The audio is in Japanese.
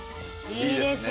いいですね。